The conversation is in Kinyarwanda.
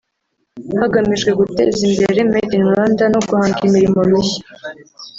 hagamijwe guteza imbere Made in Rwanda no guhanga imirimo mishya